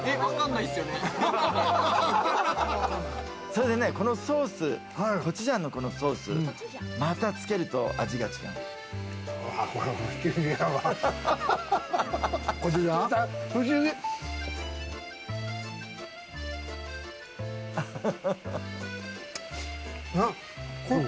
それでね、このソース、コチュジャンのソース、またつけると味が違う。